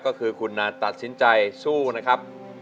ก็คือคุณนาตัดสินใจสู้นะครับ